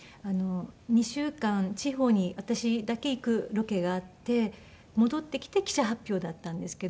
２週間地方に私だけ行くロケがあって戻ってきて記者発表だったんですけど。